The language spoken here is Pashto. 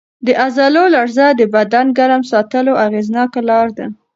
د عضلو لړزه د بدن ګرم ساتلو اغېزناکه لار ده.